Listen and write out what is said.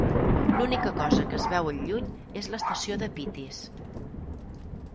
L'única cosa que es veu al lluny és l'estació de Pitis.